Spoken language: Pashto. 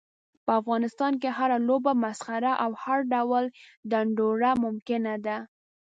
په افغانستان کې هره لوبه، مسخره او هر ډول ډنډوره ممکنه ده.